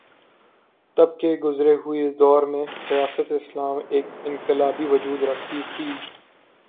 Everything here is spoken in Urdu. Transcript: تب کے گزرے ہوئے دور میں ریاست اسلام ایک انقلابی وجود رکھتی تھی۔